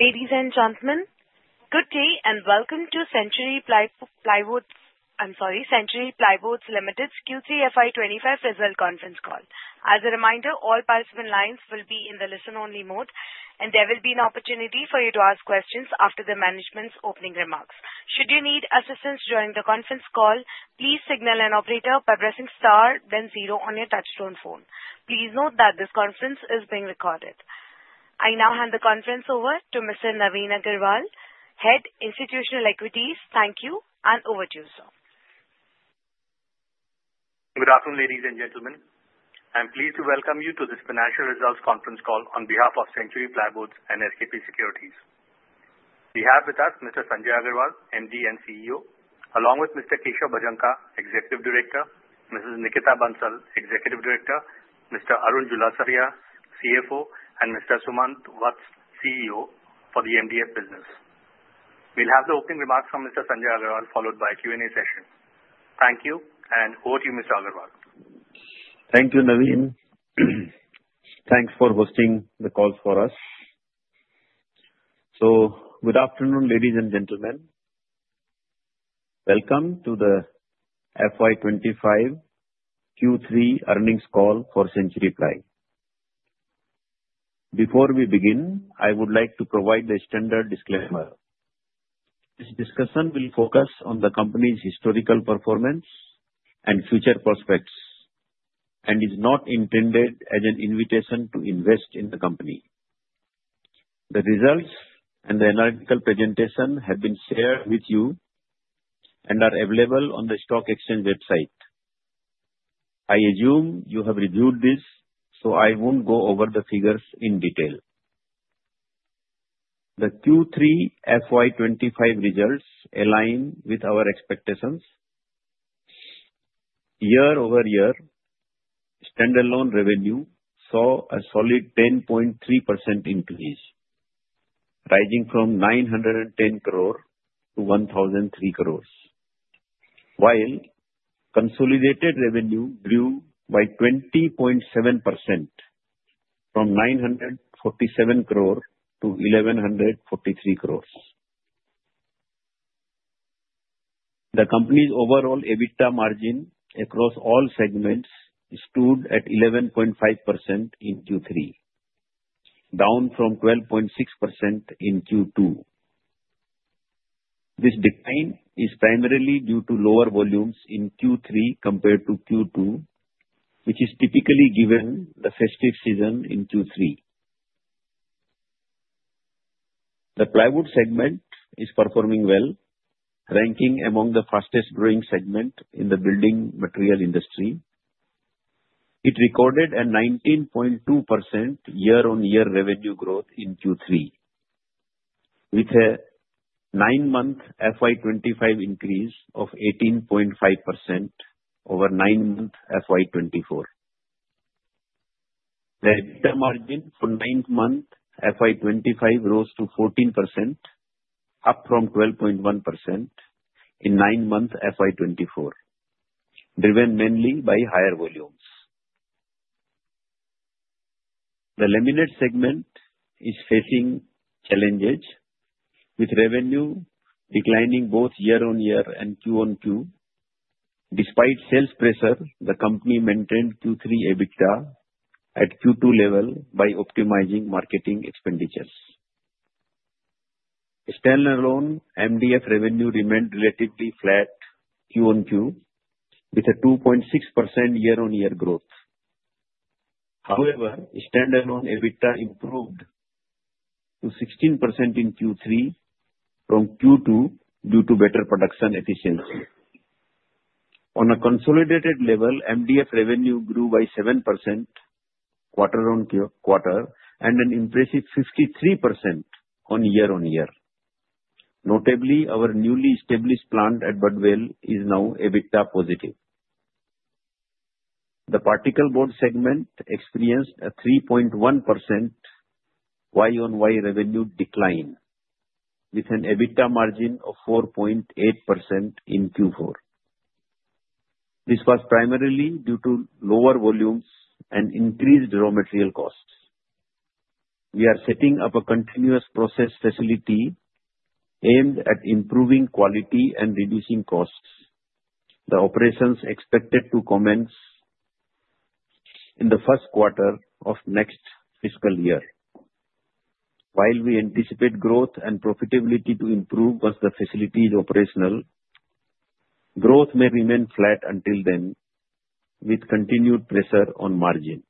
Ladies and gentlemen, good day and welcome to Century Plyboards, I'm sorry, Century Plyboards Limited's Q3 FY 2025 Result Conference Call. As a reminder, all participant lines will be in the listen-only mode, and there will be an opportunity for you to ask questions after the management's opening remarks. Should you need assistance during the conference call, please signal an operator by pressing star, then zero on your touch-tone phone. Please note that this conference is being recorded. I now hand the conference over to Mr. Navin Agarwal, Head Institutional Equities. Thank you, and over to you, sir. Good afternoon, ladies and gentlemen. I'm pleased to welcome you to this Financial Results Conference Call on behalf of Century Plyboards and SKP Securities. We have with us Mr. Sanjay Agarwal, MD and CEO, along with Mr. Keshav Bhajanka, Executive Director, Mrs. Nikita Bansal, Executive Director, Mr. Arun Julasaria, CFO, and Mr. Sumant Wattas, CEO for the MDF business. We'll have the opening remarks from Mr. Sanjay Agarwal followed by a Q&A session. Thank you, and over to you, Mr. Agarwal. Thank you, Navin. Thanks for hosting the call for us. Good afternoon, ladies and gentlemen. Welcome to the FY 2025 Q3 Earnings Call for Century Ply. Before we begin, I would like to provide a standard disclaimer. This discussion will focus on the company's historical performance and future prospects, and is not intended as an invitation to invest in the company. The results and the analytical presentation have been shared with you and are available on the stock exchange website. I assume you have reviewed this, so I won't go over the figures in detail. The Q3 FY 2025 results align with our expectations. Year-over-year, standalone revenue saw a solid 10.3% increase, rising from 910 crore to 1,003 crore, while consolidated revenue grew by 20.7% from 947 crore to 1,143 crore. The company's overall EBITDA margin across all segments stood at 11.5% in Q3, down from 12.6% in Q2. This decline is primarily due to lower volumes in Q3 compared to Q2, which is typical, given the festive season in Q3. The plywood segment is performing well, ranking among the fastest-growing segments in the building material industry. It recorded a 19.2% year-on-year revenue growth in Q3, with a nine-month FY 2025 increase of 18.5% over nine-month FY 2024. The EBITDA margin for nine-month FY 2025 rose to 14%, up from 12.1% in nine-month FY 2024, driven mainly by higher volumes. The laminate segment is facing challenges, with revenue declining both year-on-year and Q-on-Q. Despite sales pressure, the company maintained Q3 EBITDA at Q2 level by optimizing marketing expenditures. Standalone MDF revenue remained relatively flat Q-on-Q, with a 2.6% year-on-year growth. However, standalone EBITDA improved to 16% in Q3 from Q2 due to better production efficiency. On a consolidated level, MDF revenue grew by 7% quarter-on-quarter and an impressive 53% on year-on-year. Notably, our newly established plant at Badvel is now EBITDA positive. The particleboard segment experienced a 3.1% Y-on-Y revenue decline, with an EBITDA margin of 4.8% in Q4. This was primarily due to lower volumes and increased raw material costs. We are setting up a continuous process facility aimed at improving quality and reducing costs. The operations are expected to commence in the first quater of next fiscal year. While we anticipate growth and profitability to improve once the facility is operational, growth may remain flat until then, with continued pressure on margins.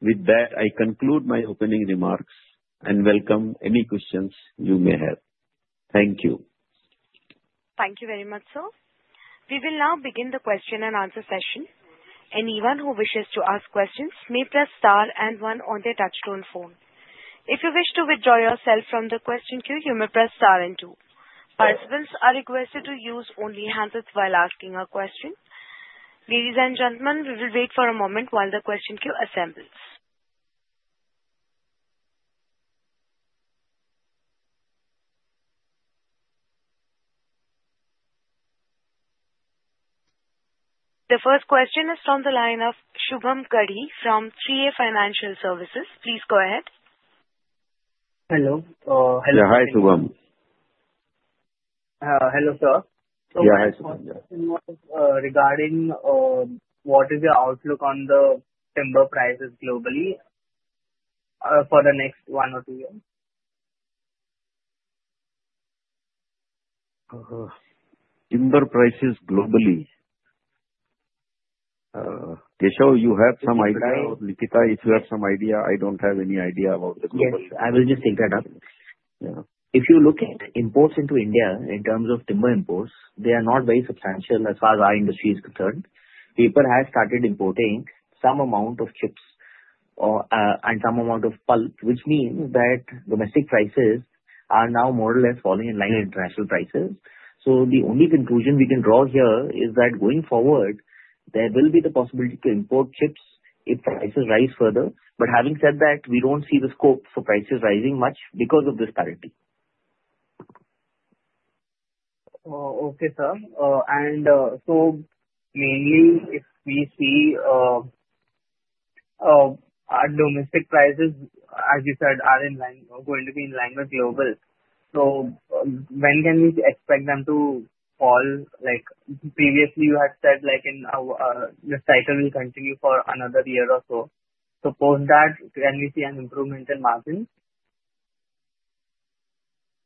With that, I conclude my opening remarks and welcome any questions you may have. Thank you. Thank you very much, sir. We will now begin the question-and-answer session. Anyone who wishes to ask questions may press star and one on their touch-tone phone. If you wish to withdraw yourself from the question queue, you may press star and two. Participants are requested to use the handset only while asking a question. Ladies and gentlemen, we will wait for a moment while the question queue assembles. The first question is from the line of Shubham Kadhi from 3A Financial Services. Please go ahead. Hello. Hello, sir. Yeah. Hi, Shubham. Hello, sir. Regarding what is your outlook on the timber prices globally for the next one or two years? Timber prices globally? Keshav, you have some idea? Nikita, if you have some idea. I don't have any idea about the global prices. I will just take that up. If you look at imports into India in terms of timber imports, they are not very substantial as far as our industry is concerned. People have started importing some amount of chips and some amount of pulp, which means that domestic prices are now more or less falling in line with international prices. So the only conclusion we can draw here is that going forward, there will be the possibility to import chips if prices rise further. But having said that, we don't see the scope for prices rising much because of this disparity. Okay, sir. And so mainly, if we see our domestic prices, as you said, are going to be in line with global. So when can we expect them to fall? Previously, you had said the cycle will continue for another year or so. Suppose that, can we see an improvement in margins?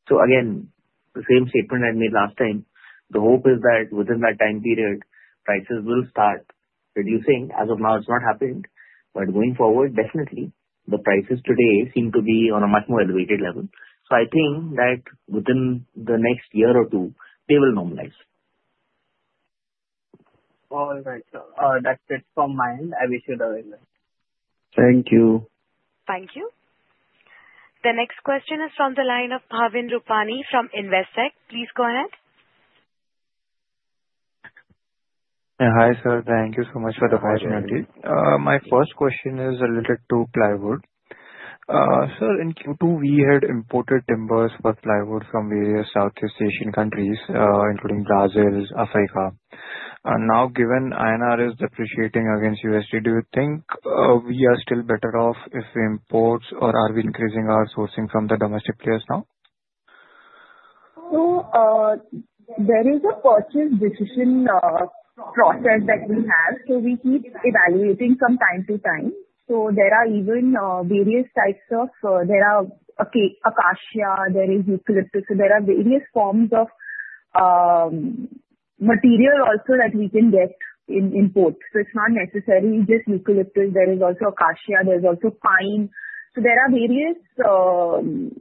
S o again, the same statement I made last time. The hope is that within that time period, prices will start reducing. As of now, it's not happened. But going forward, definitely, the prices today seem to be on a much more elevated level. So I think that within the next year or two, they will normalize. All right, sir. That's it from my end. I wish you the very best. Thank you. Thank you. The next question is from the line of Bhavin Rupani from Investec. Please go ahead. Hi, sir. Thank you so much for the opportunity. My first question is related to plywood. Sir, in Q2, we had imported timbers for plywood from various Southeast Asian countries, including Brazil, Africa. Now, given INR is depreciating against USD, do you think we are still better off if we import, or are we increasing our sourcing from the domestic players now? There is a purchase decision process that we have. We keep evaluating from time to time. There are even various types: acacia, eucalyptus. There are various forms of material also that we can get in both. It's not necessarily just eucalyptus. There is also acacia. There is also pine. There are various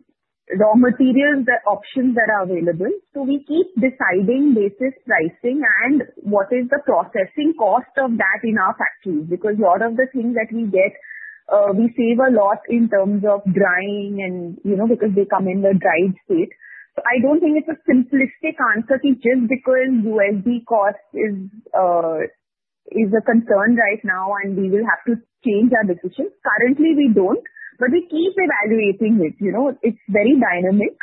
raw material options that are available. We keep deciding basis pricing and what is the processing cost of that in our factories because a lot of the things that we get, we save a lot in terms of drying because they come in the dried state. I don't think it's a simplistic answer just because USD cost is a concern right now, and we will have to change our decision. Currently, we don't, but we keep evaluating it. It's very dynamic.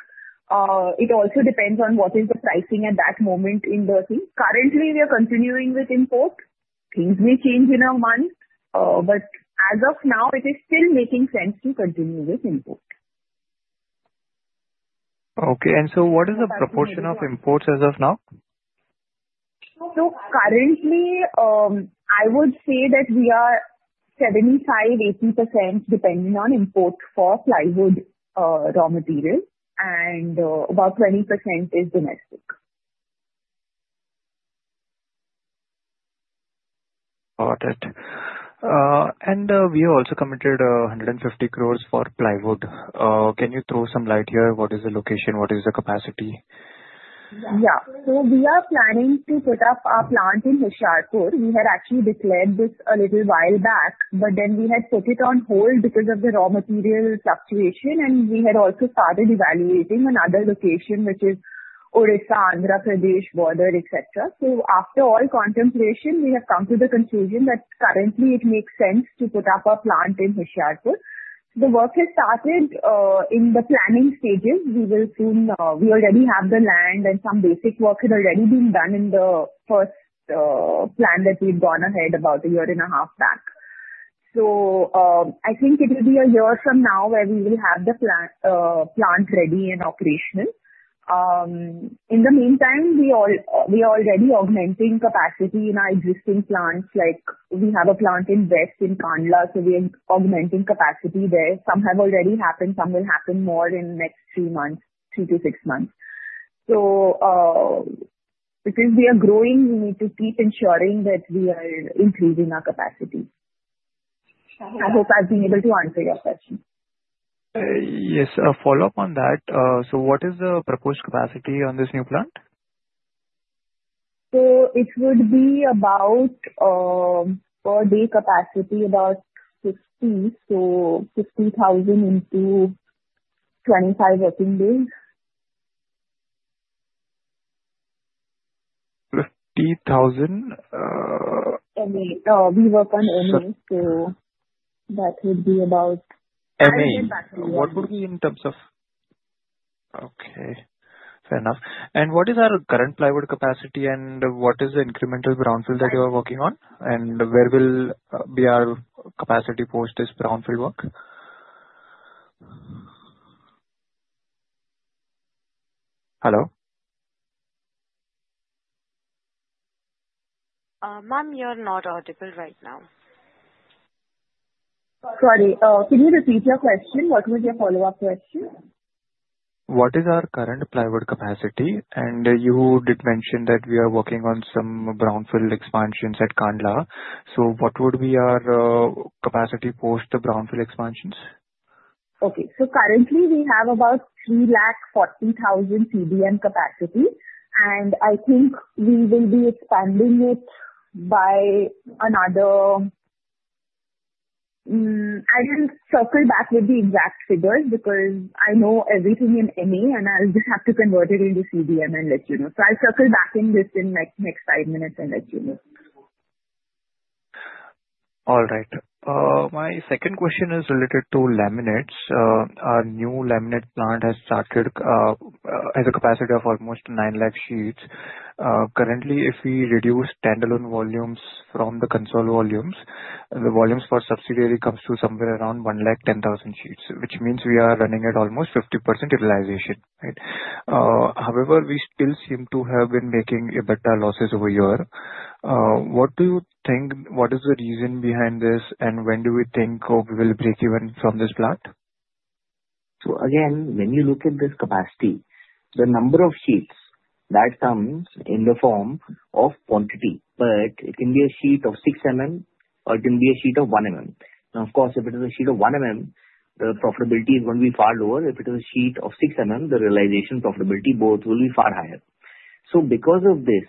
It also depends on what is the pricing at that moment in the thing. Currently, we are continuing with import. Things may change in a month, but as of now, it is still making sense to continue with import. What is the proportion of imports as of now? So currently, I would say that we are 75%-80% depending on import for plywood raw materials, and about 20% is domestic. Got it. And we have also committed 150 crores for plywood. Can you throw some light here? What is the location? What is the capacity? Yeah. So we are planning to put up our plant in Hoshiarpur. We had actually declared this a little while back, but then we had put it on hold because of the raw material fluctuation, and we had also started evaluating another location, which is Odisha, Andhra Pradesh, Border, etc. So after all contemplation, we have come to the conclusion that currently, it makes sense to put up our plant in Hoshiarpur. The work has started in the planning stages. We already have the land, and some basic work had already been done in the first plan that we had gone ahead about a year and a half back. So I think it will be a year from now where we will have the plant ready and operational. In the meantime, we are already augmenting capacity in our existing plants. We have a plant in West in Kandla, so we are augmenting capacity there. Some have already happened. Some will happen more in the next three months, three to six months. So because we are growing, we need to keep ensuring that we are increasing our capacity. I hope I've been able to answer your question. Yes, a follow-up on that. So what is the proposed capacity on this new plant? So it would be about per day capacity, about 50,000 into 25 working days. 50,000? We work on MA, so that would be about. What would it be in terms of? Okay. Fair enough. And what is our current plywood capacity, and what is the incremental brownfield that you are working on, and where will our capacity post this brownfield work? Hello? Ma'am, you're not audible right now. Sorry. Can you repeat your question? What was your follow-up question? What is our current plywood capacity? And you did mention that we are working on some Brownfield expansions at Kandla. So what would be our capacity post the Brownfield expansions? Okay. So currently, we have about 340,000 CBM capacity, and I think we will be expanding it by another. I will circle back with the exact figures because I know everything in MA, and I'll just have to convert it into CBM and let you know. So I'll circle back on this in the next five minutes and let you know. All right. My second question is related to laminates. Our new laminate plant has started at a capacity of almost 9 lakh sheets. Currently, if we reduce standalone volumes from the consolidated volumes, the volumes for subsidiary comes to somewhere around 110,000 sheets, which means we are running at almost 50% utilization, right? However, we still seem to have been making bigger losses over a year. What do you think? What is the reason behind this, and when do we think we will break even from this plant? So again, when you look at this capacity, the number of sheets that comes in the form of quantity. But it can be a sheet of six or it can be a sheet of one. Now, of course, if it is a sheet of one the profitability is going to be far lower. If it is a sheet of six the realization profitability both will be far higher. So because of this,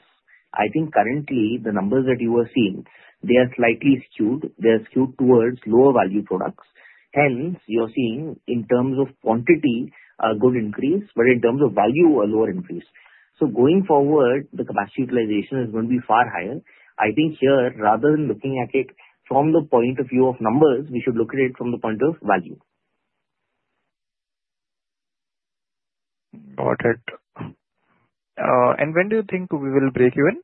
I think currently, the numbers that you are seeing, they are slightly skewed. They are skewed towards lower value products. Hence, you're seeing in terms of quantity, a good increase, but in terms of value, a lower increase. So going forward, the capacity utilization is going to be far higher. I think here, rather than looking at it from the point of view of numbers, we should look at it from the point of value. Got it. And when do you think we will break even?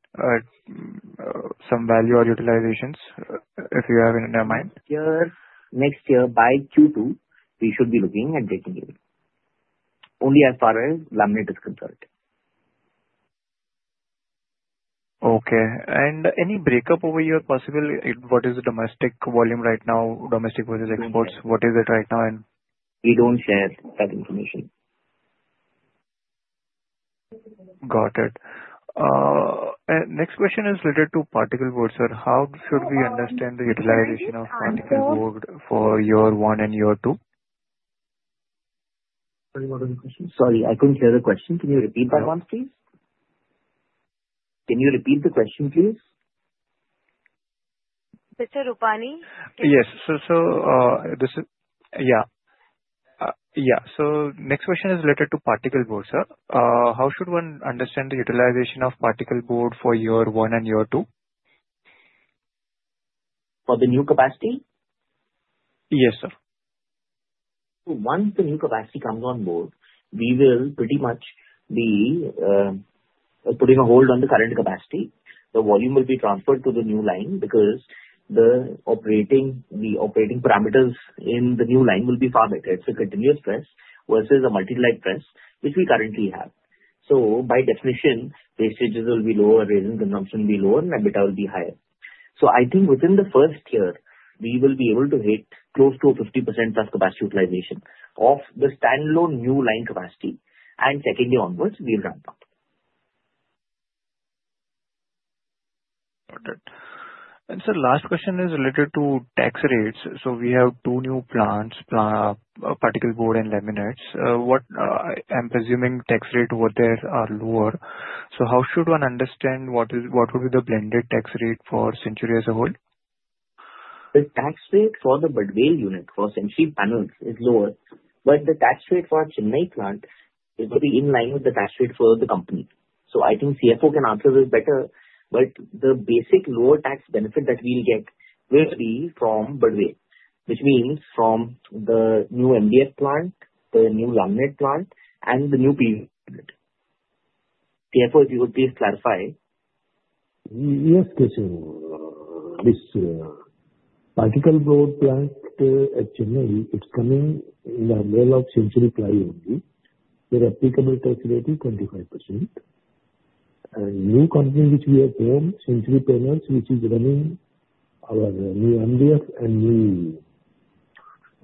Some value or utilizations, if you have it in your mind? Next year, by Q2, we should be looking at breaking even, only as far as laminate is concerned. Okay. And any breakup over year possible? What is the domestic volume right now? Domestic versus exports, what is it right now? We don't share that information. Got it. Next question is related to particle boards. How should we understand the utilization of particle board for year one and year two? Sorry, I couldn't hear the question. Can you repeat that one, please? Can you repeat the question, please? Mr. Rupani? Yes, so next question is related to particle boards. How should one understand the utilization of particle board for year one and year two? For the new capacity? Yes, sir. Once the new capacity comes on board, we will pretty much be putting a hold on the current capacity. The volume will be transferred to the new line because the operating parameters in the new line will be far better. It's a continuous press versus a multi-light press, which we currently have. By definition, wastage will be lower, resin consumption will be lower, and laminate will be higher. Within the first year, we will be able to hit close to 50% plus capacity utilization of the standalone new line capacity. Second year onwards, we'll ramp up. Got it. And sir, last question is related to tax rates. So we have two new plants, particle board and laminates. I'm presuming tax rate over there are lower. So how should one understand what would be the blended tax rate for Century as a whole? The tax rate for the B unit unit for Century Panels is lower, but the tax rate for a Chennai plant is going to be in line with the tax rate for the company. So I think CFO can answer this better, but the basic lower tax benefit that we'll get will be from Badvel, which means from the new MDF plant, the new laminate plant, and the new. CFO, if you could please clarify. Yes, Keshav. Particle board plant at Chennai, it's coming in the umbrella of Century Ply only. Their applicable tax rate is 25%. And new company, which we have known, Century Panels, which is running our new MDF and new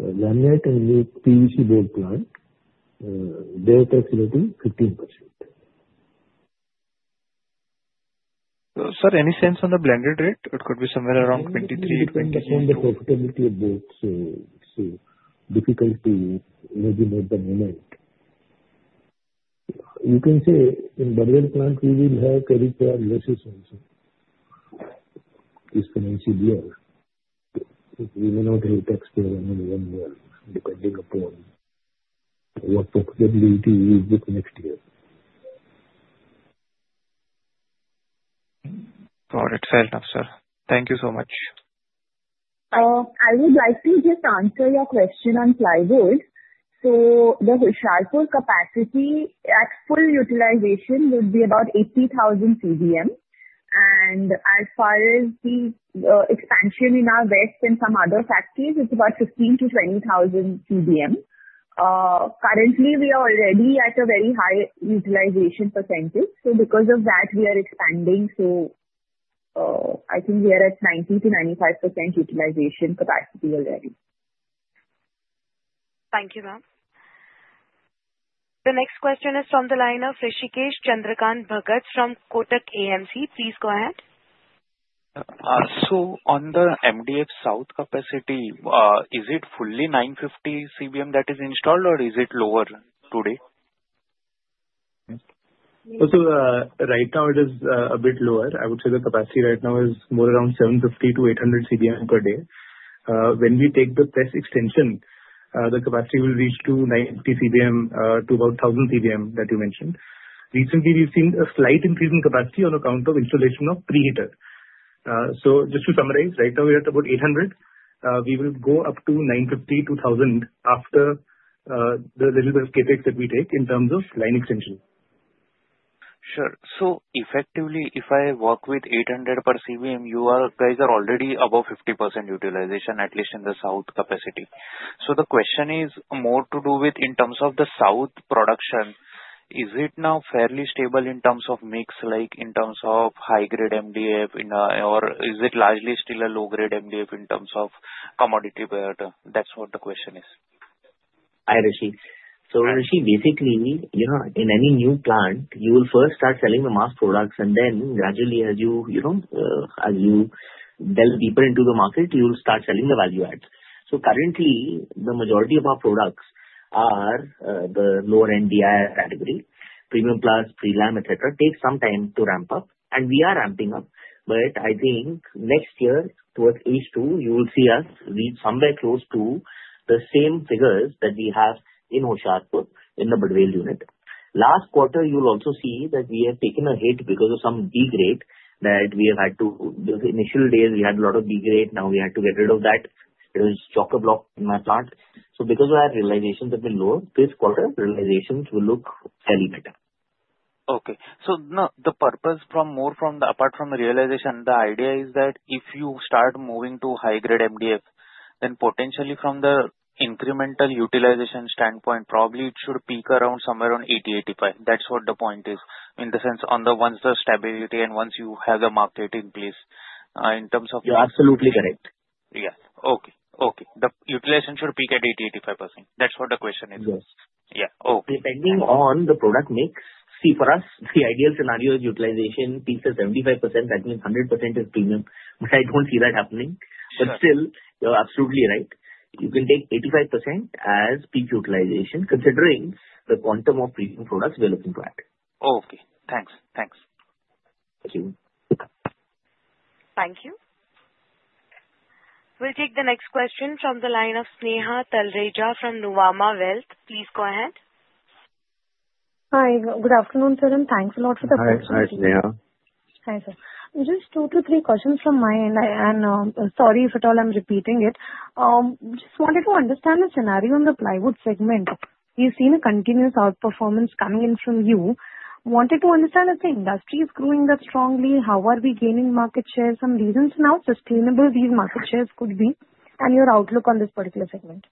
laminate and new PVC board plant, their tax rate is 15%. Sir, any sense on the blended rate? It could be somewhere around 23%. It depends on the profitability of both, so it's difficult to imagine at the moment. You can say in Badvel plant, we will have a return versus this financial year. We may not have a payback only one year depending upon what profitability we will get next year. Got it. Fair enough, sir. Thank you so much. I would like to just answer your question on plywood. So the Hoshiarpur capacity at full utilization would be about 80,000 CBM. And as far as the expansion in our West and some other factories, it's about 15,000-20,000 CBM. Currently, we are already at a very high utilization percentage. So because of that, we are expanding. So I think we are at 90%-95% utilization capacity already. Thank you, ma'am. The next question is from the line of Hrishikesh Chandrakant Bhagat from Kotak AMC. Please go ahead. On the MDF South capacity, is it fully 950 CBM that is installed, or is it lower today? So right now, it is a bit lower. I would say the capacity right now is more around 750-800 CBM per day. When we take the press extension, the capacity will reach to 950 CBM to about 1,000 CBM that you mentioned. Recently, we've seen a slight increase in capacity on account of installation of preheater. So just to summarize, right now, we are at about 800. We will go up to 950-1,000 after the little bit of CapEx that we take in terms of line extension. Sure. So effectively, if I work with 800 per CBM, you guys are already above 50% utilization, at least in the South capacity. So the question is more to do with in terms of the South production, is it now fairly stable in terms of mix, like in terms of high-grade MDF, or is it largely still a low-grade MDF in terms of commodity? That's what the question is. Hi Hrishi, so Hrishi, basically, in any new plant, you will first start selling the mass products, and then gradually, as you delve deeper into the market, you will start selling the value adds. So currently, the majority of our products are the lower-end DI category, premium plus prelam, etc. It takes some time to ramp up, and we are ramping up. But I think next year, towards H2, you will see us reach somewhere close to the same figures that we have in Hoshiarpur in the Badvel unit. Last quarter, you will also see that we have taken a hit because of some degrade that we have had to. In the initial days, we had a lot of degrade. Now we had to get rid of that chocker block in my plant. So because of our realizations have been low, this quarter, realizations will look fairly better. Okay. So now the purpose from more from the apart from the realization, the idea is that if you start moving to high-grade MDF, then potentially from the incremental utilization standpoint, probably it should peak around somewhere on 80%-85%. That's what the point is, in the sense once the stability and once you have the market in place in terms of. You're absolutely correct. The utilization should peak at 80%-85%. That's what the question is. Yes. Depending on the product mix, see, for us, the ideal scenario is utilization peaks at 75%. That means 100% is premium. But I don't see that happening. But still, you're absolutely right. You can take 85% as peak utilization, considering the quantum of premium products we're looking to add. Okay. Thanks. Thanks. Thank you. Thank you. We'll take the next question from the line of Sneha Talreja from Nuvama Wealth. Please go ahead. Hi. Good afternoon, sir, and thanks a lot for the question. Hi, Sneha. Hi, sir. Just two to three questions from my end, and sorry if at all I'm repeating it. Just wanted to understand the scenario on the plywood segment. We've seen a continuous outperformance coming in from you. Wanted to understand if the industry is growing that strongly, how are we gaining market share, some reasons now sustainable these market shares could be, and your outlook on this particular segment?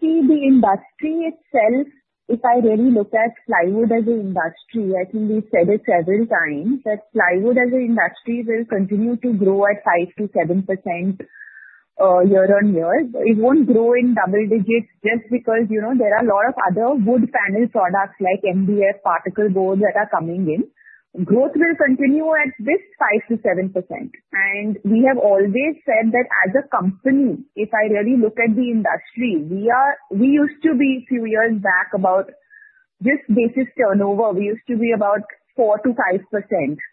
See, the industry itself, if I really look at plywood as an industry, I think we've said it several times that plywood as an industry will continue to grow at 5%-7% year-on-year. It won't grow in double digits just because there are a lot of other wood panel products like MDF, particle board that are coming in. Growth will continue at this 5%-7%. We have always said that as a company, if I really look at the industry, we used to be a few years back about just basis turnover. We used to be about 4%-5%.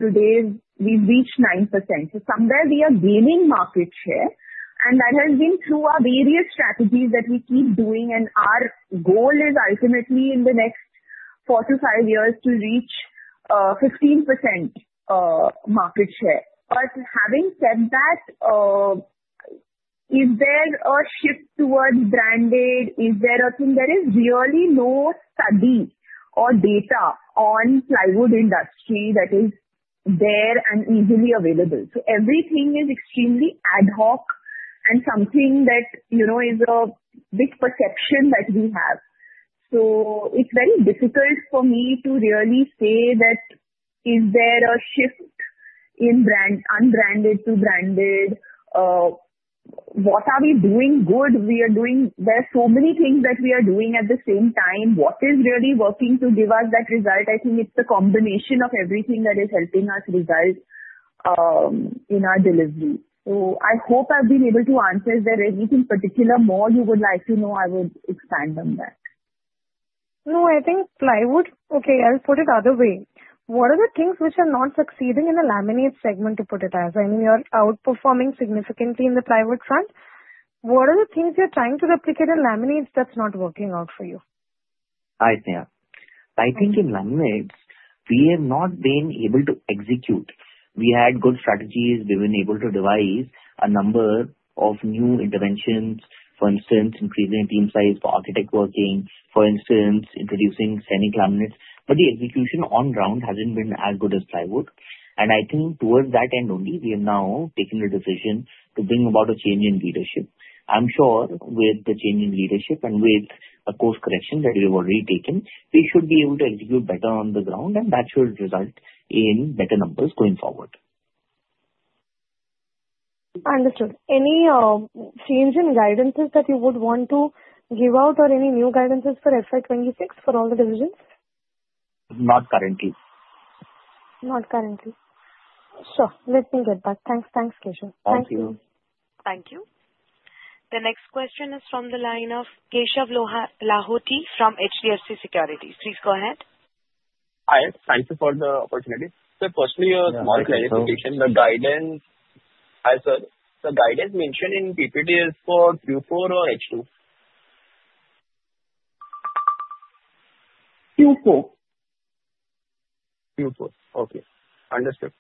Today, we've reached 9%. Somewhere we are gaining market share. That has been through our various strategies that we keep doing. Our goal is ultimately in the next four to five years to reach 15% market share. But having said that, is there a shift towards branded? Is there a thing? There is really no study or data on plywood industry that is there and easily available. So everything is extremely ad hoc and something that is a big perception that we have. So it's very difficult for me to really say that is there a shift in unbranded to branded? What are we doing good? There are so many things that we are doing at the same time. What is really working to give us that result? I think it's the combination of everything that is helping us result in our delivery. So I hope I've been able to answer. Is there anything particular more you would like to know? I would expand on that. No, I think plywood, okay. I'll put it another way. What are the things which are not succeeding in the laminate segment, to put it mildly? I mean, you're outperforming significantly in the plywood front. What are the things you're trying to replicate in laminates that's not working out for you? Hi, Sneha. I think in laminates, we have not been able to execute. We had good strategies. We've been able to devise a number of new interventions, for instance, increasing team size for architect working, for instance, introducing semi laminates. But the execution on ground hasn't been as good as plywood. And I think towards that end only, we have now taken the decision to bring about a change in leadership. I'm sure with the change in leadership and with a course correction that we have already taken, we should be able to execute better on the ground, and that should result in better numbers going forward. Understood. Any change in guidances that you would want to give out or any new guidances for FY 2026 for all the decisions? Not currently. Not currently. Sure. Let me get back. Thanks. Thanks, Keshav. Thank you. Thank you. The next question is from the line of Keshav Lahoti from HDFC Securities. Please go ahead. Hi. Thank you for the opportunity. So firstly, a small clarification. The guidance, sir, the guidance mentioned in PPD is for Q4 or H2? Q4. Q4. Okay. Understood,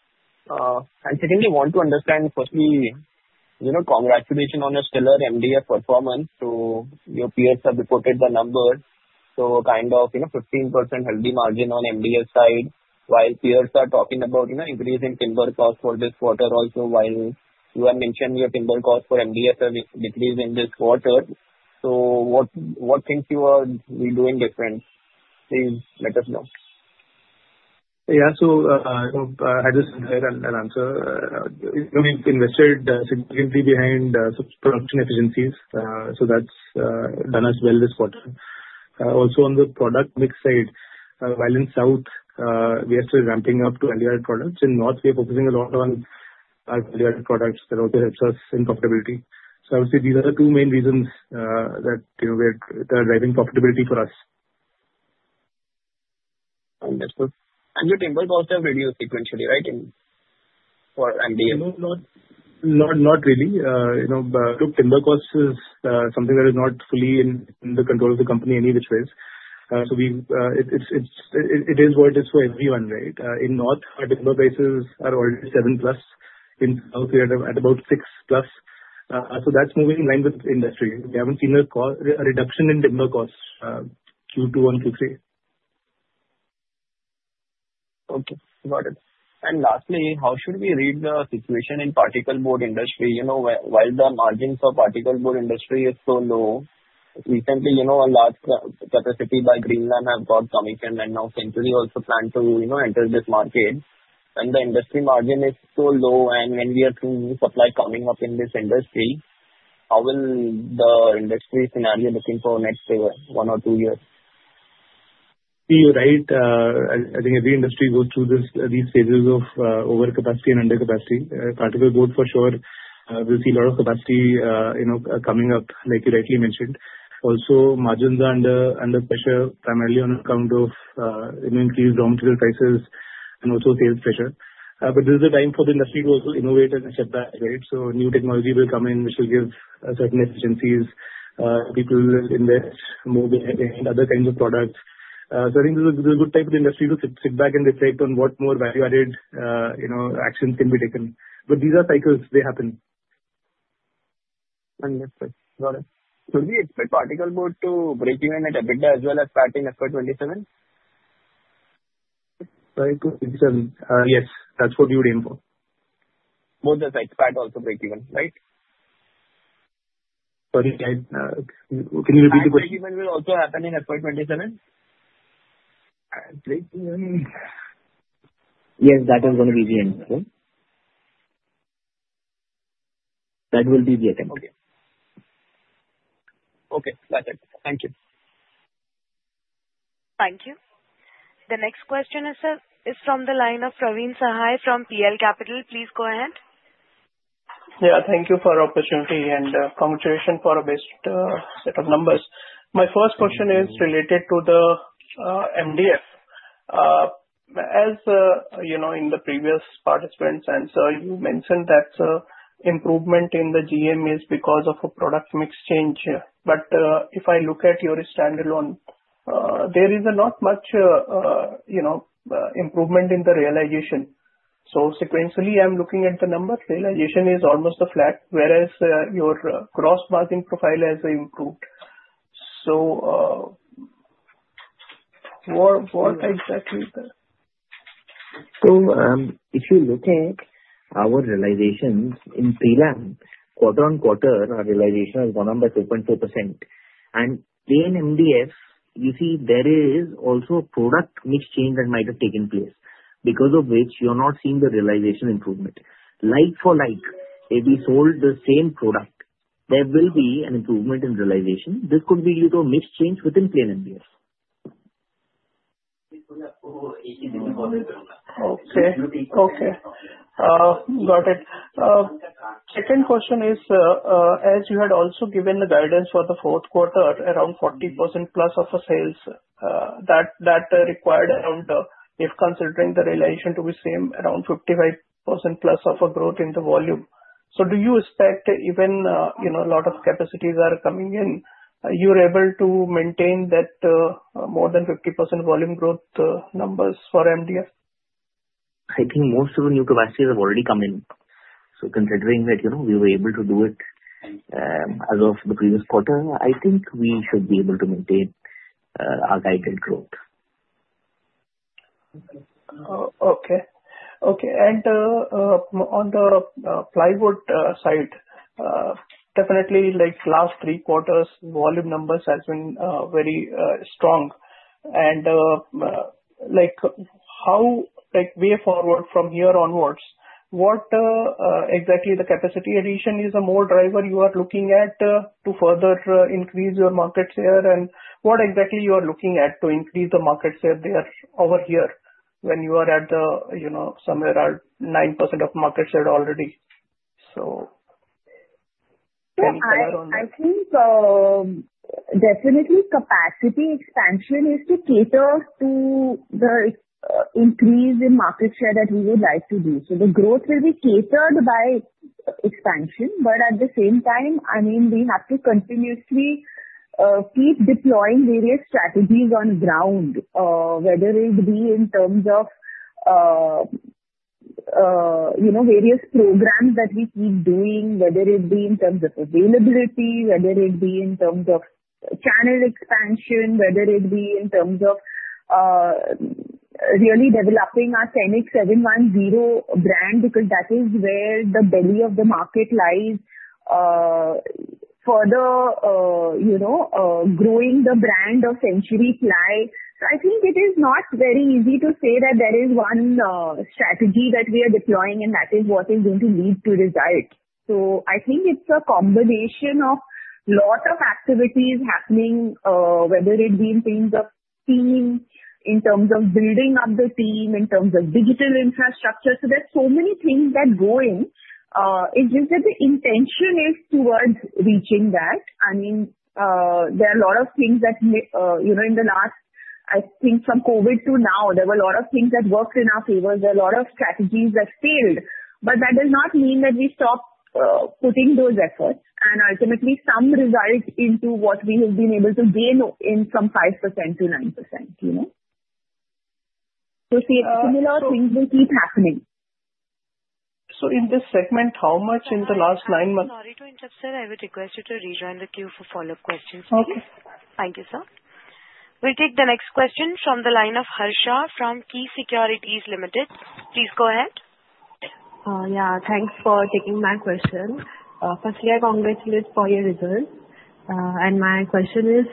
and secondly, I want to understand. Firstly, congratulations on your stellar MDF performance. So your peers have reported the numbers, so kind of 15% healthy margin on MDF side, while peers are talking about increase in timber cost for this quarter also, while you have mentioned your timber cost for MDF have decreased in this quarter. So what things you are doing different? Please let us know. Yeah. So I had this in here to answer. We've invested significantly behind production efficiencies. So that's done us well this quarter. Also on the product mix side, while in South, we are still ramping up to value-added products. In North, we are focusing a lot on value-added products that also helps us in profitability. So I would say these are the two main reasons that are driving profitability for us. Understood, and your timber costs have reduced sequentially, right, for MDF? Not really. Look, timber cost is something that is not fully in the control of the company in any of these ways. So it is what it is for everyone, right? In North, our timber prices are already 7+. In South, we are at about 6+. So that's moving in line with industry. We haven't seen a reduction in timber costs Q2 and Q3. Okay. Got it. And lastly, how should we read the situation in particleboard industry? While the margins for particleboard industry is so low, recently, a large capacity by Greenlam have got coming in, and now Century also planned to enter this market. And the industry margin is so low, and when we have to supply coming up in this industry, how will the industry scenario looking for next one or two years? You're right. I think every industry goes through these phases of overcapacity and under capacity. Particle board, for sure, we'll see a lot of capacity coming up, like you rightly mentioned. Also, margins are under pressure, primarily on account of increased raw material prices and also sales pressure. But this is a time for the industry to also innovate and step back, right? So new technology will come in, which will give certain efficiencies. People will invest more behind other kinds of products. So I think this is a good time for the industry to sit back and reflect on what more value-added actions can be taken. But these are cycles. They happen. Understood. Got it. So do we expect particle board to break even at EBITDA as well as PAT in FY 2027? Sorry. Yes. That's what you were aiming for. Both the PAT and also break even, right? Sorry. Can you repeat the question? Break even will also happen in FY 2027? Break even. Yes, that is going to be the end. That will be the end. Okay. Okay. Got it. Thank you. Thank you. The next question, sir, is from the line of Praveen Sahay from PL Capital. Please go ahead. Yeah. Thank you for the opportunity and congratulations for a best set of numbers. My first question is related to the MDF. As in the previous participants and sir, you mentioned that improvement in the GM is because of a product mix change. But if I look at your standalone, there is not much improvement in the realization. So sequentially, I'm looking at the numbers. Realization is almost flat, whereas your gross margin profile has improved. So what exactly is there? So if you look at our realization in prelam, quarter-on-quarter, our realization has gone up by 2.2%. And in MDF, you see there is also a product mix change that might have taken place, because of which you're not seeing the realization improvement. Like for like, if we sold the same product, there will be an improvement in realization. This could be due to a mix change within plain MDF. Okay. Okay. Got it. Second question is, as you had also given the guidance for the fourth quarter, around 40%+ of sales, that required, if considering the realization to be same, around 55%+ of a growth in the volume. So do you expect even a lot of capacities are coming in, you're able to maintain that more than 50% volume growth numbers for MDF? I think most of the new capacities have already come in. So considering that we were able to do it as of the previous quarter, I think we should be able to maintain our guided growth. Okay. Okay. And on the plywood side, definitely last three quarters, volume numbers have been very strong. And way forward from here onwards, what exactly the capacity addition is a more driver you are looking at to further increase your market share? And what exactly you are looking at to increase the market share there over here when you are at somewhere around 9% of market share already? So anything on that? I think definitely capacity expansion is to cater to the increase in market share that we would like to do. So the growth will be catered by expansion. But at the same time, I mean, we have to continuously keep deploying various strategies on the ground, whether it be in terms of various programs that we keep doing, whether it be in terms of availability, whether it be in terms of channel expansion, whether it be in terms of really developing our Sainik 710 brand, because that is where the belly of the market lies. Further growing the brand of Century Ply. So I think it is not very easy to say that there is one strategy that we are deploying, and that is what is going to lead to result. I think it's a combination of a lot of activities happening, whether it be in terms of team, in terms of building up the team, in terms of digital infrastructure. So there's so many things that go in. It's just that the intention is towards reaching that. I mean, there are a lot of things that in the last, I think from COVID to now, there were a lot of things that worked in our favor. There are a lot of strategies that failed. But that does not mean that we stopped putting those efforts and ultimately some result into what we have been able to gain in from 5%-9%. So similar things will keep happening. So in this segment, how much in the last nine months? Sorry to interrupt, sir. I would request you to rejoin the queue for follow-up questions. Okay. Thank you, sir. We'll take the next question from the line of Harsha from Key Securities Limited. Please go ahead. Yeah. Thanks for taking my question. Firstly, I congratulate you for your results, and my question is,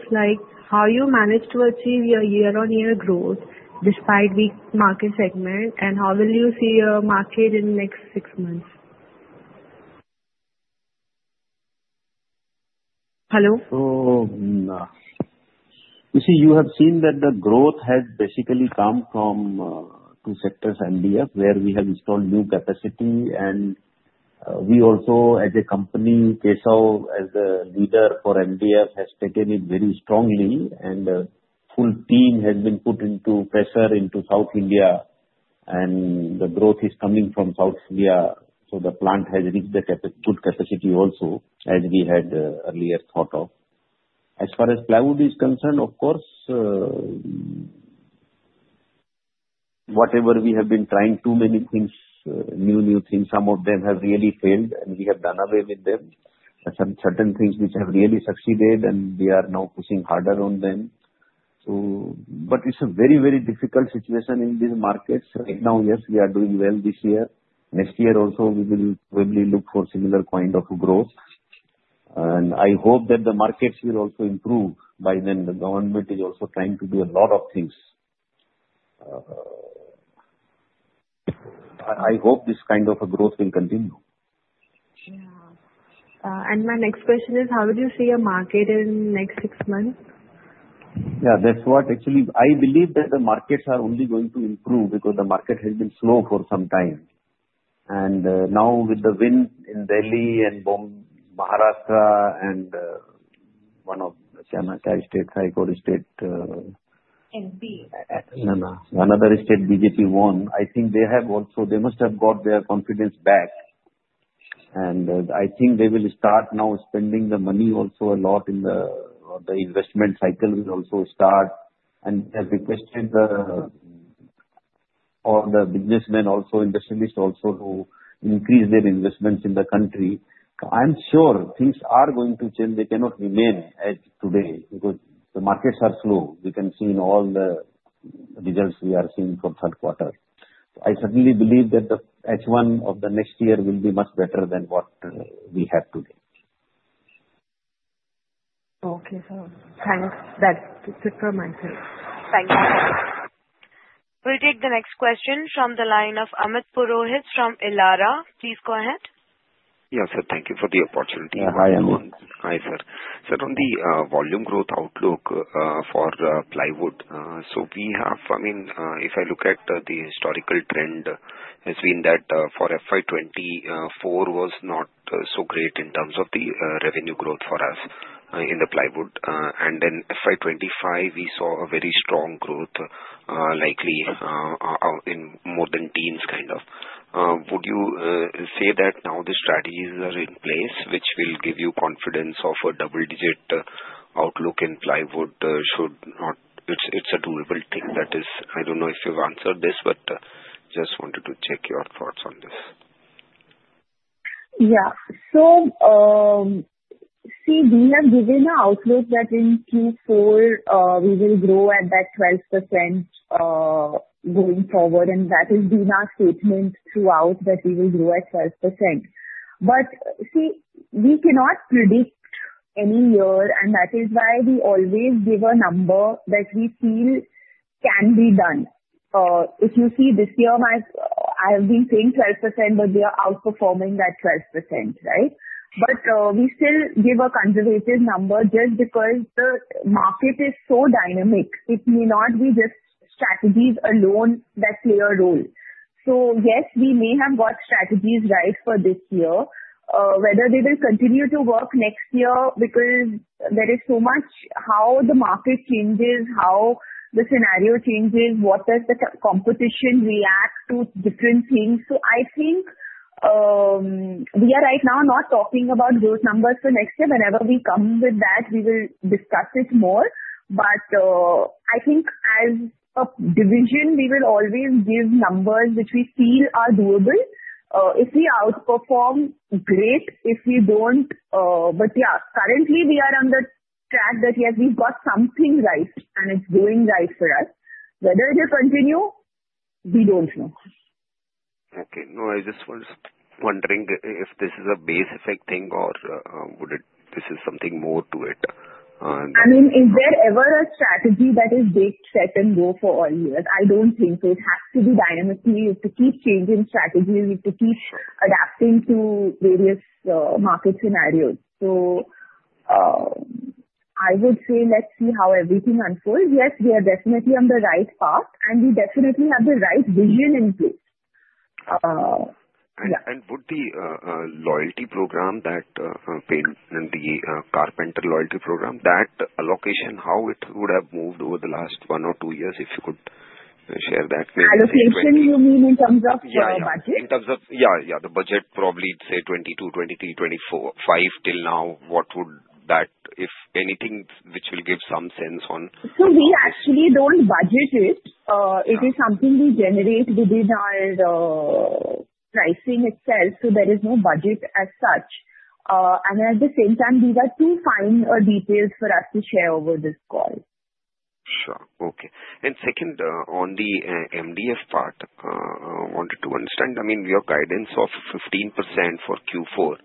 how you managed to achieve your year-on-year growth despite weak market segment, and how will you see your market in the next six months? Hello? You see, you have seen that the growth has basically come from two sectors, MDF, where we have installed new capacity, and we also, as a company, Keshav, as the leader for MDF, has taken it very strongly, and the full team has been put into pressure into South India, and the growth is coming from South India, so the plant has reached the good capacity also, as we had earlier thought of. As far as plywood is concerned, of course, whatever we have been trying, too many things, new things, some of them have really failed, and we have done away with them. There are some certain things which have really succeeded, and we are now pushing harder on them, but it's a very, very difficult situation in these markets. Right now, yes, we are doing well this year. Next year also, we will probably look for similar kind of growth, and I hope that the markets will also improve by then. The government is also trying to do a lot of things. I hope this kind of growth will continue. Yeah. My next question is, how would you see your market in the next six months? Yeah. That's what actually I believe that the markets are only going to improve because the market has been slow for some time. And now with the win in Delhi and Maharashtra and one of Karnataka state high courtstate none other state BJP won. I think they have also they must have got their confidence back. And I think they will start now spending the money also. A lot in the investment cycle will also start. And I've requested all the businessmen also, industrialists also, to increase their investments in the country. I'm sure things are going to change. They cannot remain as today because the markets are slow. We can see in all the results we are seeing from third quarter. I certainly believe that the H1 of the next year will be much better than what we have today. Okay, sir. Thanks. That's it from my side. Thank you. We'll take the next question from the line of Amit Purohit from Elara. Please go ahead. Yes, sir. Thank you for the opportunity. Yeah. Hi, Amit. Hi, sir. Certainly, volume growth outlook for plywood. So we have, I mean, if I look at the historical trend, has been that for FY 2024 was not so great in terms of the revenue growth for us in the plywood. And then FY 2025, we saw a very strong growth, likely in more than teens kind of. Would you say that now the strategies are in place, which will give you confidence of a double-digit outlook in plywood? It's a durable thing that is, I don't know if you've answered this, but just wanted to check your thoughts on this. Yeah. So see, we have given an outlook that in Q4, we will grow at that 12% going forward. And that has been our statement throughout, that we will grow at 12%. But see, we cannot predict any year, and that is why we always give a number that we feel can be done. If you see, this year, I have been saying 12%, but we are outperforming that 12%, right? But we still give a conservative number just because the market is so dynamic. It may not be just strategies alone that play a role. So yes, we may have got strategies right for this year. Whether they will continue to work next year, because there is so much how the market changes, how the scenario changes, what does the competition react to different things. So I think we are right now not talking about growth numbers for next year. Whenever we come with that, we will discuss it more. But I think as a division, we will always give numbers which we feel are doable. If we outperform, great. If we don't, but yeah, currently, we are on the track that we have got something right, and it's going right for us. Whether they continue, we don't know. Okay. No, I just was wondering if this is a base effect thing or this is something more to it? I mean, is there ever a strategy that is baked set and go for all years? I don't think so. It has to be dynamic. We need to keep changing strategies. We need to keep adapting to various market scenarios. So I would say let's see how everything unfolds. Yes, we are definitely on the right path, and we definitely have the right vision in place. Would the loyalty program, that paint and the carpenter loyalty program, that allocation, how it would have moved over the last one or two years, if you could share that? Allocation, you mean in terms of budget? Yeah. The budget probably, say, 2022, 2023, 2024, 2025 till now, what would that, if anything, which will give some sense on? So we actually don't budget it. It is something we generate within our pricing itself. So there is no budget as such. And at the same time, these are too fine details for us to share over this call. Sure. Okay. And second, on the MDF part, I wanted to understand, I mean, your guidance of 15% for Q4,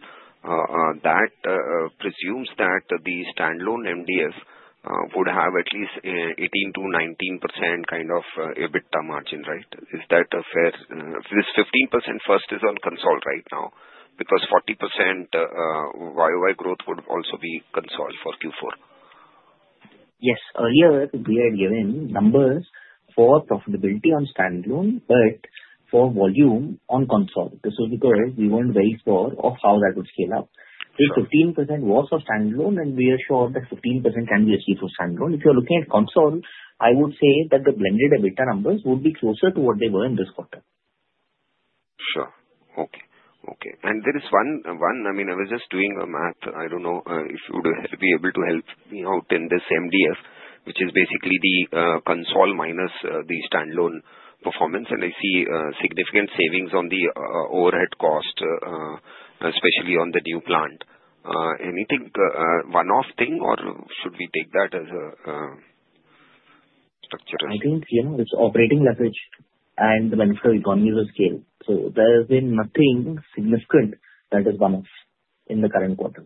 that presumes that the standalone MDF would have at least 18%-19% kind of EBITDA margin, right? Is that fair? This 15% first is on consol right now because 40% YoY growth would also be consolidated for Q4. Yes. Earlier, we had given numbers for profitability on standalone, but for volume on consolidated. This was because we weren't very sure of how that would scale up. So 15% was for standalone, and we are sure that 15% can be achieved for standalone. If you're looking at consolidated, I would say that the blended EBITDA numbers would be closer to what they were in this quarter. Sure. Okay. Okay. And there is one. I mean, I was just doing a math. I don't know if you would be able to help me out in this MDF, which is basically the consolidated minus the standalone performance. And I see significant savings on the overhead cost, especially on the new plant. Anything one-off thing, or should we take that as structural? I think it's operating leverage and the benefit of economies of scale. So there has been nothing significant that is one-off in the current quarter.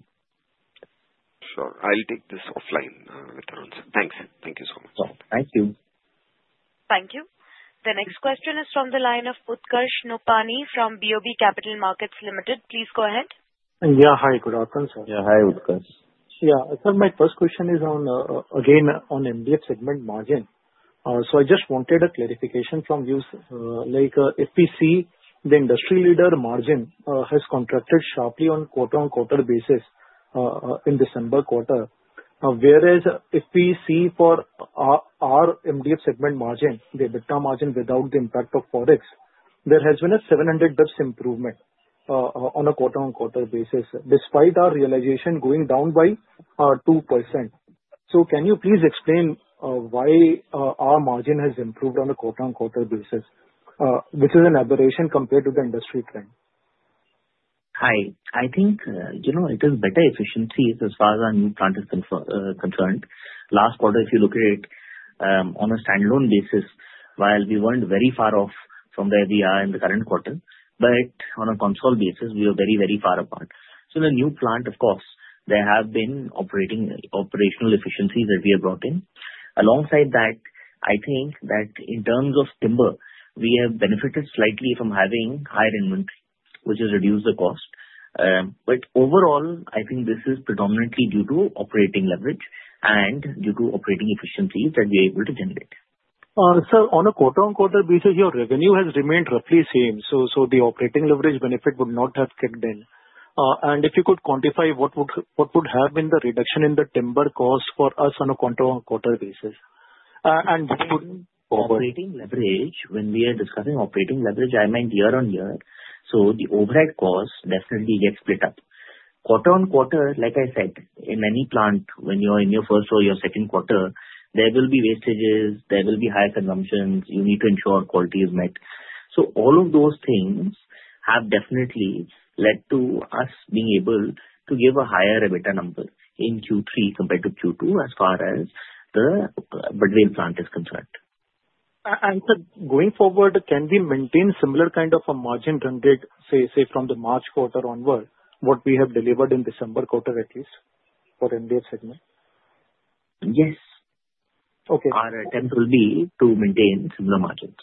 Sure. I'll take this offline. Thanks. Thank you so much. Thank you. Thank you. The next question is from the line of Utkarsh Nopany from BOB Capital Markets Limited. Please go ahead. Yeah. Hi. Good afternoon, sir. Yeah. Hi, Utkarsh. Yeah. So my first question is, again, on MDF segment margin. So I just wanted a clarification from you. If we see the industry leader margin has contracted sharply on quarter-on-quarter basis in December quarter, whereas if we see for our MDF segment margin, the EBITDA margin without the impact of forex, there has been a 700 basis points improvement on a quarter-on-quarter basis, despite our realization going down by 2%. So can you please explain why our margin has improved on a quarter-on-quarter basis, which is an aberration compared to the industry trend? Hi. I think it is better efficiency as far as our new plant is concerned. Last quarter, if you look at it on a standalone basis, while we weren't very far off from where we are in the current quarter, but on a consolidated basis, we were very, very far apart. So the new plant, of course, there have been operational efficiencies that we have brought in. Alongside that, I think that in terms of timber, we have benefited slightly from having higher inventory, which has reduced the cost. But overall, I think this is predominantly due to operating leverage and due to operating efficiencies that we are able to generate. Sir, on a quarter-on-quarter basis, your revenue has remained roughly same. So the operating leverage benefit would not have kicked in. And if you could quantify what would have been the reduction in the timber cost for us on a quarter-on-quarter basis? And what would? When we are discussing operating leverage, I meant year-on-year. So the overhead cost definitely gets split up. Quarter-on-quarter, like I said, in any plant, when you're in your first or your second quarter, there will be wastages. There will be higher consumptions. You need to ensure quality is met. So all of those things have definitely led to us being able to give a higher EBITDA number in Q3 compared to Q2 as far as the Badvel plant is concerned. Sir, going forward, can we maintain similar kind of a margin driven, say, from the March quarter onward, what we have delivered in December quarter at least for MDF segment? Yes. Our attempt will be to maintain similar margins.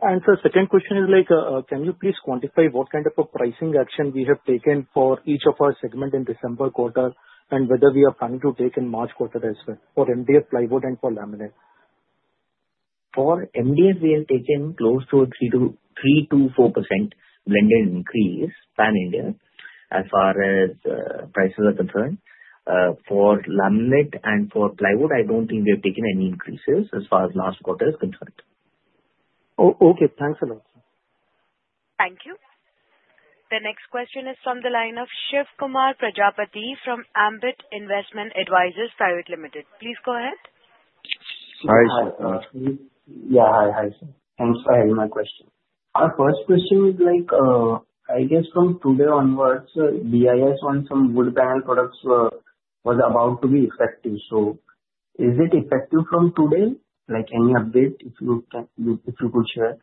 Sir, second question is, can you please quantify what kind of a pricing action we have taken for each of our segments in December quarter and whether we are planning to take in March quarter as well for MDF plywood and for laminate? For MDF, we have taken close to a 3%-4% blended increase pan-India as far as prices are concerned. For laminate and for plywood, I don't think we have taken any increases as far as last quarter is concerned. Okay. Thanks a lot, sir. Thank you. The next question is from the line of Shivkumar Prajapati from Ambit Investment Advisors Pvt Ltd. Please go ahead. Hi. Yeah. Hi, sir. Thanks for having my question. Our first question is, I guess from today onwards, BIS on some wood panel products was about to be effective. So is it effective from today? Any update if you could share?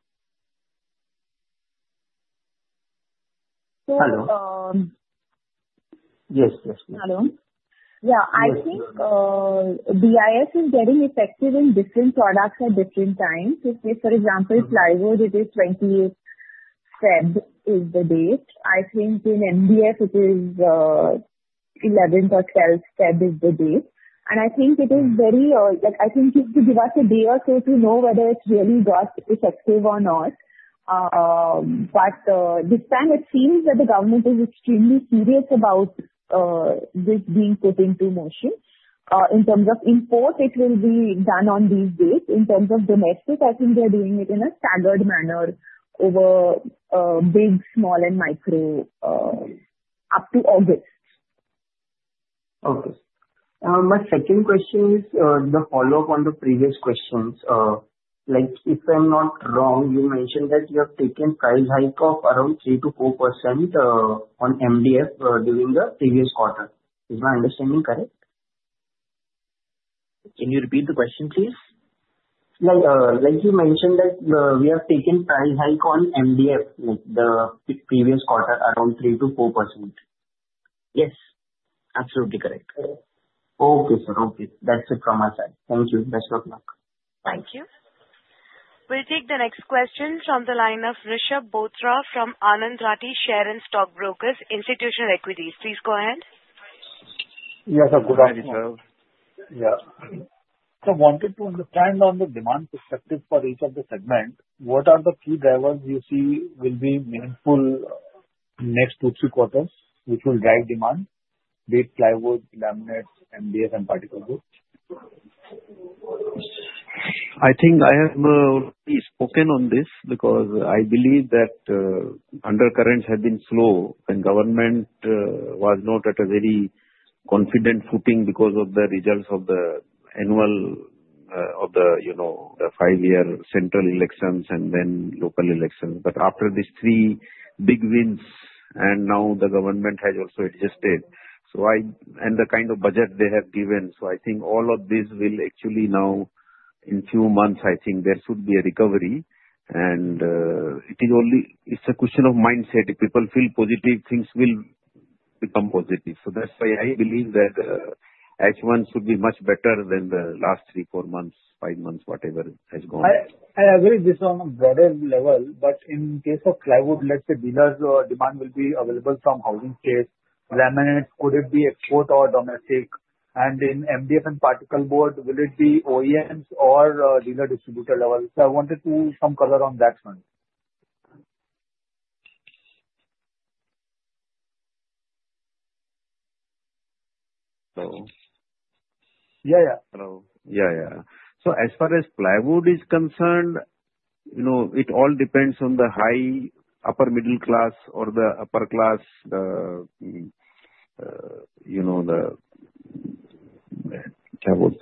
Hello? Yes, yes, please. Hello. Yeah. I think BIS is getting effective in different products at different times. For example, plywood, it is 28th February is the date. I think in MDF, it is 11th or 12th February is the date. And I think it is very, I think you have to give us a day or so to know whether it's really got effective or not. But this time, it seems that the government is extremely serious about this being put into motion. In terms of import, it will be done on these dates. In terms of domestic, I think they're doing it in a staggered manner over big, small, and micro up to August. Okay. My second question is the follow-up on the previous questions. If I'm not wrong, you mentioned that you have taken price hike of around 3%-4% on MDF during the previous quarter. Is my understanding correct? Can you repeat the question, please? Like you mentioned that we have taken price hike on MDF the previous quarter, around 3%-4%. Yes. Absolutely correct. Okay, sir. Okay. That's it from my side. Thank you. Best of luck. Thank you. We'll take the next question from the line of Rishab Bothra from Anand Rathi Share and Stock Brokers, Institutional Equities. Please go ahead. Yes, sir. Good afternoon, sir. Yeah. So I wanted to understand on the demand perspective for each of the segments, what are the key drivers you see will be meaningful next two to three quarters, which will drive demand with plywood, laminates, MDF, and particle board? I think I have already spoken on this because I believe that undercurrents have been slow and government was not at a very confident footing because of the results of the annual of the five-year central elections and then local elections, but after these three big wins, and now the government has also adjusted, and the kind of budget they have given, so I think all of these will actually now, in few months, I think there should be a recovery, and it's a question of mindset. If people feel positive, things will become positive, so that's why I believe that H1 should be much better than the last three, four months, five months, whatever has gone. I agree with this on a broader level. But in case of plywood, let's say dealers or demand will be available from housing space, laminates, could it be export or domestic? And in MDF and particle board, will it be OEMs or dealer distributor level? So I wanted some color on that one. Hello? Yeah, yeah. Hello? Yeah, yeah, so as far as plywood is concerned, it all depends on the high upper middle class or the upper class, the HNIs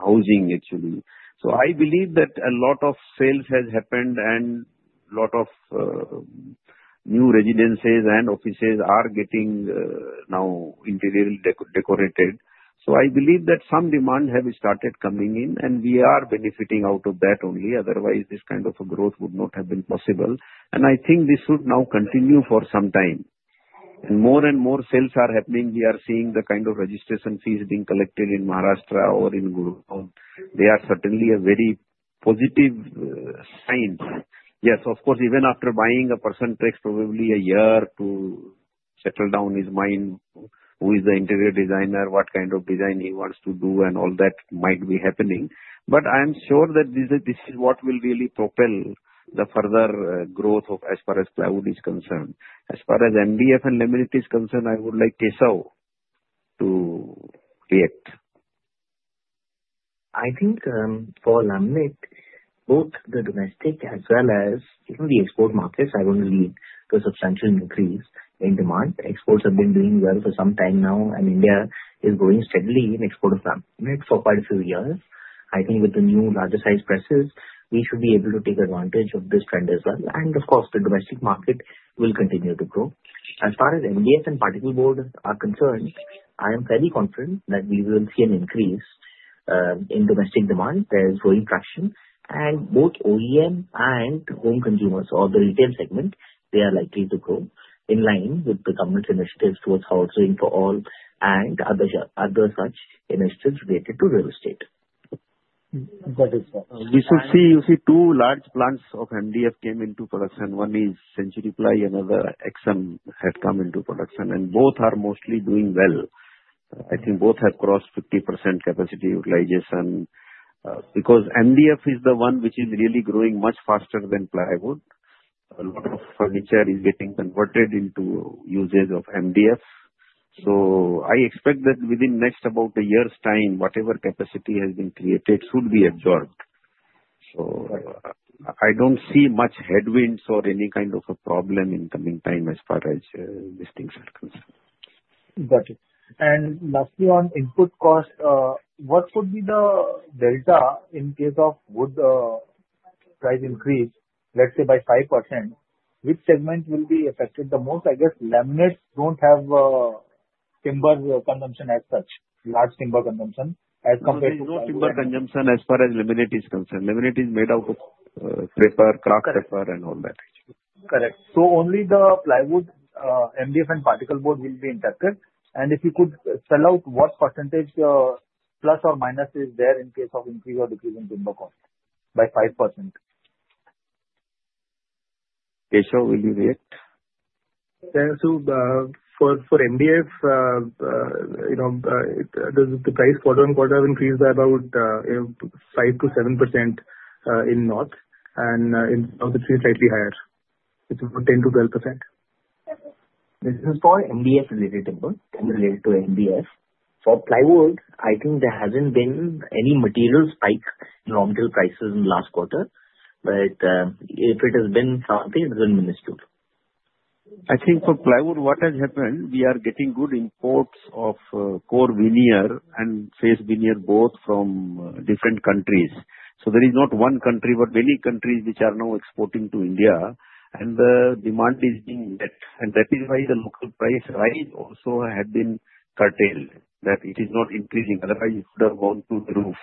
housing, actually, so I believe that a lot of sales has happened and a lot of new residences and offices are getting now interiorly decorated, so I believe that some demand has started coming in, and we are benefiting out of that only. Otherwise, this kind of a growth would not have been possible, and I think this should now continue for some time, and more and more sales are happening. We are seeing the kind of registration fees being collected in Maharashtra or in Gurugram. They are certainly a very positive sign. Yes, of course, even after buying, a person takes probably a year to settle down his mind, who is the interior designer, what kind of design he wants to do, and all that might be happening. But I am sure that this is what will really propel the further growth as far as plywood is concerned. As far as MDF and laminate is concerned, I would like Keshav to react. I think for laminate, both the domestic as well as the export markets are going to lead to a substantial increase in demand. Exports have been doing well for some time now, and India is going steadily in export of laminate for quite a few years. I think with the new larger-sized presses, we should be able to take advantage of this trend as well. And of course, the domestic market will continue to grow. As far as MDF and particle board are concerned, I am fairly confident that we will see an increase in domestic demand. There is growing traction. And both OEM and home consumers or the retail segment, they are likely to grow in line with the government's initiatives towards housing for all and other such initiatives related to real estate. We should see two large plants of MDF came into production. One is Century Ply, another XM had come into production, and both are mostly doing well. I think both have crossed 50% capacity utilization because MDF is the one which is really growing much faster than plywood. A lot of furniture is getting converted into uses of MDF. So I expect that within next about a year's time, whatever capacity has been created should be absorbed. So I don't see much headwinds or any kind of a problem in coming time as far as these things are concerned. Got it. And lastly, on input cost, what would be the delta in case of wood price increase, let's say by 5%? Which segment will be affected the most? I guess laminates don't have timber consumption as such, large timber consumption as compared to plywood. No timber consumption as far as laminate is concerned. Laminate is made out of craft paper and all that. Correct. So only the plywood, MDF, and particle board will be impacted. And if you could spell out what percentage plus or minus is there in case of increase or decrease in timber cost by 5%? Keshav, will you react? So for MDF, the price quarter on quarter increased by about 5%-7% in North, and in South, it's slightly higher. It's about 10%-12%. This is for MDF-related timber and related to MDF. For plywood, I think there hasn't been any material spike in raw material prices in the last quarter. But if it has been something, it has been minuscule. I think for plywood, what has happened, we are getting good imports of core veneer and face veneer both from different countries. So there is not one country, but many countries which are now exporting to India, and the demand is being met. And that is why the local price rise also had been curtailed, that it is not increasing. Otherwise, it would have gone to the roof.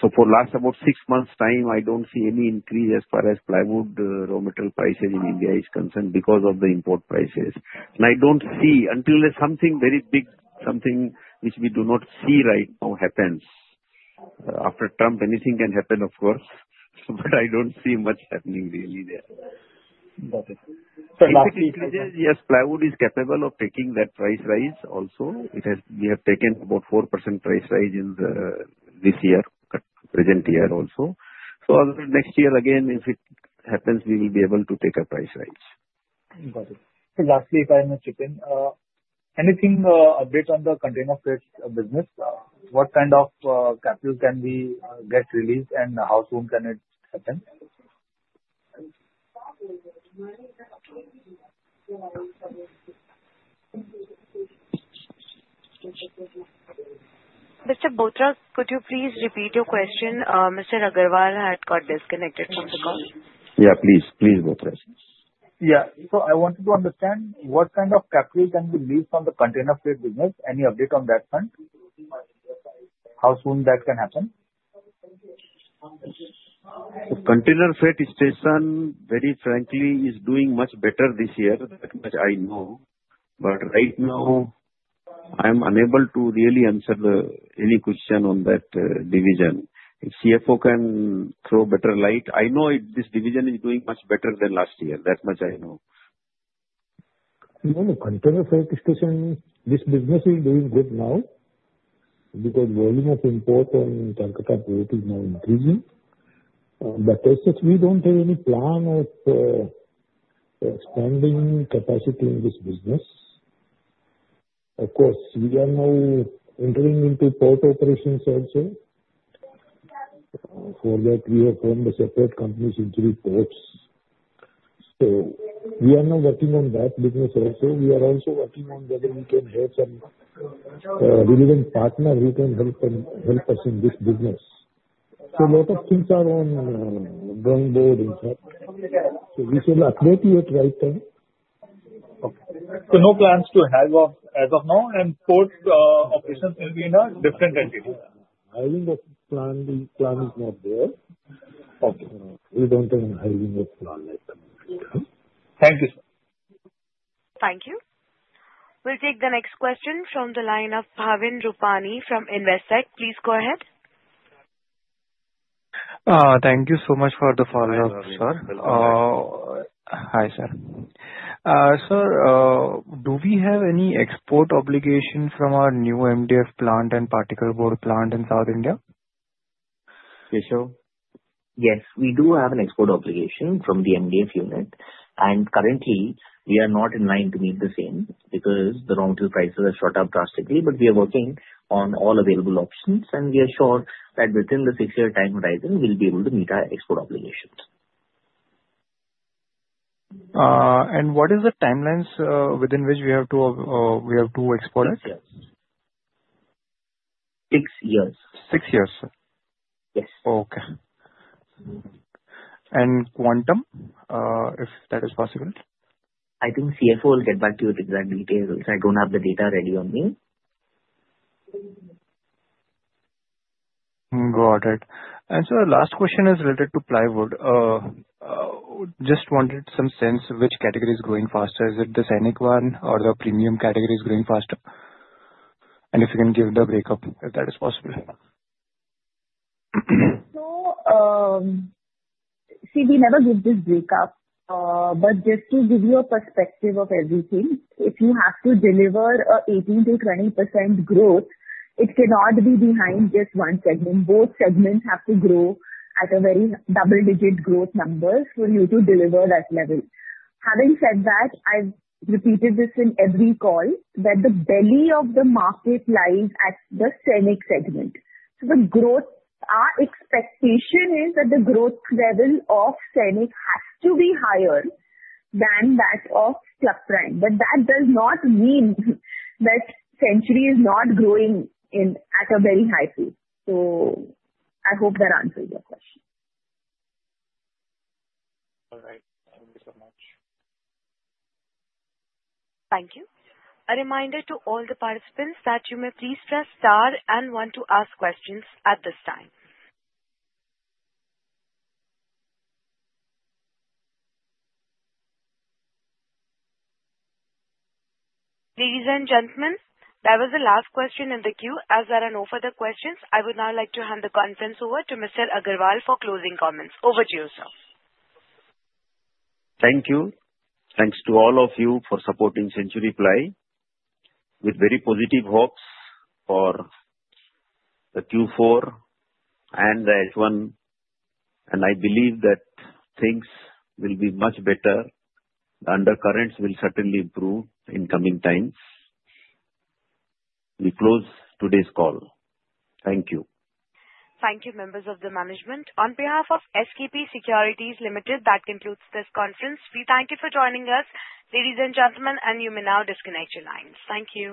So for the last about six months' time, I don't see any increase as far as plywood raw material prices in India is concerned because of the import prices. And I don't see until there's something very big, something which we do not see right now happens. After Trump, anything can happen, of course. But I don't see much happening really there. So lastly. Yes, plywood is capable of taking that price rise also. We have taken about 4% price rise this year, present year also. So next year, again, if it happens, we will be able to take a price rise. Got it. Lastly, if I may chip in, any update on the container fleet business? What kind of capital can we get released, and how soon can it happen? Mr. Bothra, could you please repeat your question? Mr. Agarwal had got disconnected from the call. Yeah, please. Please, Bothra. Yeah, so I wanted to understand what kind of capital can be released on the container fleet business? Any update on that front? How soon that can happen? Container freight station, very frankly, is doing much better this year, that much I know. But right now, I am unable to really answer any question on that division. If CFO can throw better light, I know this division is doing much better than last year. That much I know. No, container freight station, this business is doing good now because volume of import on Calcutta port is now increasing. But as such, we don't have any plan of expanding capacity in this business. Of course, we are now entering into port operations also. For that, we have formed a separate company, Century Ports. So we are now working on that business also. We are also working on whether we can have some relevant partner who can help us in this business. So a lot of things are on the board, in fact. So we shall update you at the right time. Okay. So no plans to have as of now, and port operations will be in a different entity? Hiring plan is not there. We don't have any hiring plan at the moment. Thank you, sir. Thank you. We'll take the next question from the line of Bhavin Rupani from Investec. Please go ahead. Thank you so much for the follow-up, sir. Hi, sir. Sir, do we have any export obligation from our new MDF plant and particle board plant in South India? Keshav? Yes. We do have an export obligation from the MDF unit. And currently, we are not in line to meet the same because the raw material prices have shot up drastically. But we are working on all available options. And we are sure that within the 6-year time horizon, we'll be able to meet our export obligations. What is the timelines within which we have to export it? 6 years. 6 years, sir? Yes. Okay. And quantum, if that is possible? I think CFO will get back to you with exact details if I don't have the data ready on me. Got it. And sir, last question is related to plywood. Just wanted some sense which category is growing faster. Is it the Sainik one or the premium category is growing faster? And if you can give the breakup, if that is possible. So see, we never give this breakup. But just to give you a perspective of everything, if you have to deliver an 18%-20% growth, it cannot be behind just one segment. Both segments have to grow at a very double-digit growth number for you to deliver that level. Having said that, I've repeated this in every call, that the belly of the market lies at the Sainik segment. So the growth expectation is that the growth level of Sainik has to be higher than that of Super Prime. But that does not mean that Century is not growing at a very high pace. So I hope that answers your question. All right. Thank you so much. Thank you. A reminder to all the participants that you may please press star and one to ask questions at this time. Ladies and gentlemen, that was the last question in the queue. As there are no further questions, I would now like to hand the conference over to Mr. Agarwal for closing comments. Over to you, sir. Thank you. Thanks to all of you for supporting Century Ply. With very positive hopes for the Q4 and the H1, and I believe that things will be much better. Undercurrents will certainly improve in coming times. We close today's call. Thank you. Thank you, members of the management. On behalf of SKP Securities Limited, that concludes this conference. We thank you for joining us. Ladies and gentlemen, and you may now disconnect your lines. Thank you.